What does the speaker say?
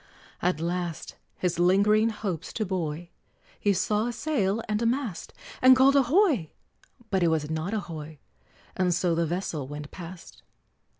At last, his lingering hopes to buoy, He saw a sail and a mast, And called "Ahoy!" but it was not a hoy, And so the vessel went past.